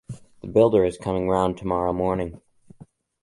The builder is coming round tomorrow morning.